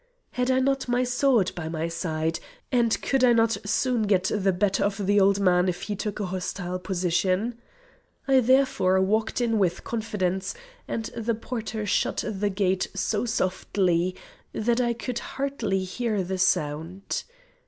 Had I not my sword by my side, and could I not soon get the better of the old man if he took a hostile position? I therefore walked in with confidence, and the porter shut the gate so softly that I could hardly hear the sound.